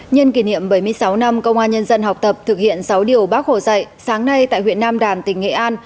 nhân kỷ niệm bảy mươi sáu năm công an nhân dân học tập thực hiện sáu điều bác hồ dạy sáng nay tại huyện nam đàn tỉnh nghệ an